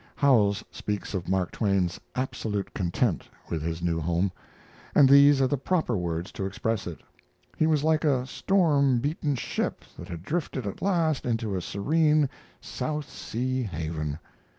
Howells speaks of Mark Twain's "absolute content" with his new home, and these are the proper words' to express it. He was like a storm beaten ship that had drifted at last into a serene South Sea haven.